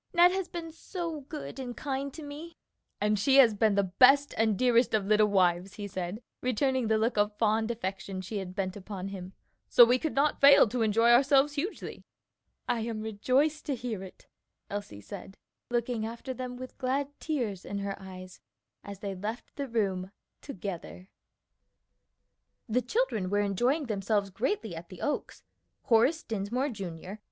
Ned has been so good and kind to me!" "And she has been the best and dearest of little wives," he said, returning the look of fond affection she had bent upon him, "so we could not fail to enjoy ourselves hugely." "I am rejoiced to hear it," Elsie said, looking after them with glad tears in her eyes as they left the room together. The children were enjoying themselves greatly at the Oaks. Horace Dinsmore, Jr.